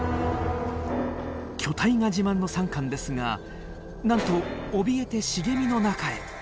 巨体が自慢のサンカンですがなんとおびえて茂みの中へ。